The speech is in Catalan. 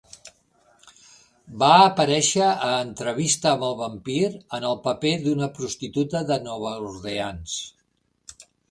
Va aparèixer a "Entrevista amb el vampir" en el paper d'una prostituta de Nova Orleans.